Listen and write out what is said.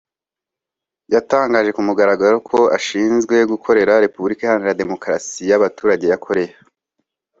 yatangaje ku mugaragaro ko ashinze Repubulika iharanira Demokarasi y’abaturage ya Koreya